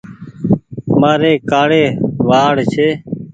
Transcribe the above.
مآري ڪآڙي وآڙ ڇي۔